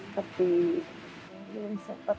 tapi belum sempat